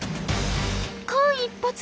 間一髪。